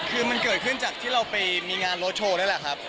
คือมันเกิดขึ้นจากที่เราไปมีงานรถโชว์นั่นแหละครับ